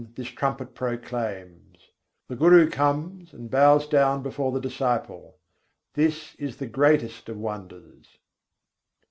this trumpet proclaims. The Guru comes, and bows down before the disciple: This is the greatest of wonders.